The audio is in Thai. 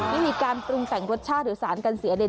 วิธีการปรุงแต่งรสชาติหรือสารกันเสียเนี่ย